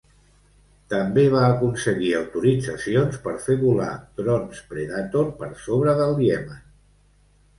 També va aconseguir autoritzacions per fer volar drons Predator per sobre del Iemen.